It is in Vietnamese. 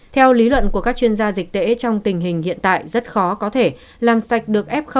theo lý luận của các chuyên gia dịch tễ trong tình hình hiện tại rất khó có thể làm sạch được f